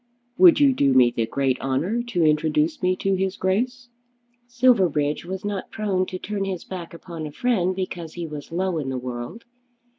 "Would you do me the great honour to introduce me to his Grace?" Silverbridge was not prone to turn his back upon a friend because he was low in the world.